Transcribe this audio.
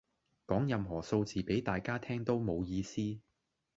講任何數字俾大家聽都冇意思